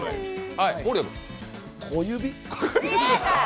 小指？